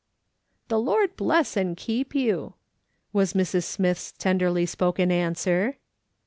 " Tlio Lord blosr, and keep you," was Mrs. Smith's tenderly spoken answer.